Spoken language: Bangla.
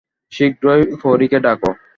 শীঘ্র প্রহরীকে ডাক।